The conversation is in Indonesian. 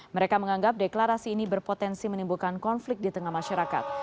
mereka menganggap deklarasi ini berpotensi menimbulkan konflik di tengah masyarakat